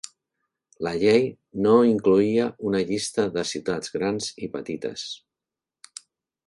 La llei no incloïa una llista de ciutats grans i petites.